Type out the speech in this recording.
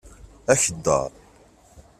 Akeddaṛ.